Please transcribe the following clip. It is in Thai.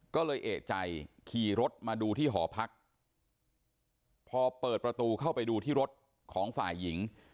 ก็เลยเอกใจขี่รถมาดูที่หอพักพอเปิดประตูเข้าไปดูที่รถของฝ่ายหญิง